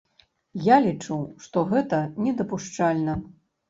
Я лічу, што гэта недапушчальна!